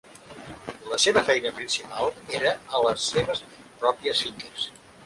La seva feina principal era a les seves pròpies finques.